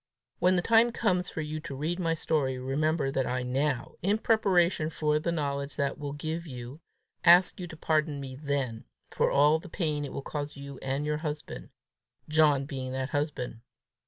When the time comes for you to read my story, remember that I now, in preparation for the knowledge that will give you, ask you to pardon me then for all the pain it will cause you and your husband John being that husband.